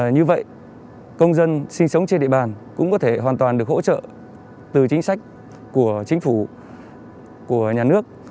như vậy công dân sinh sống trên địa bàn cũng có thể hoàn toàn được hỗ trợ từ chính sách của chính phủ của nhà nước